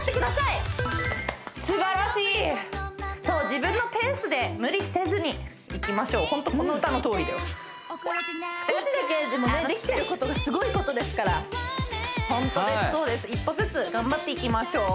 そう自分のペースで無理せずにいきましょうホントこの歌のとおりだよ少しだけでもできてることがすごいことですからホントですそうです一歩ずつ頑張っていきましょう